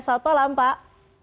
selamat malam pak